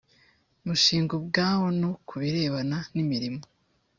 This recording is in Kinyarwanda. mushinga ubwawo ku birebana n imirimo